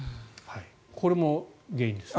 これも原因ですね。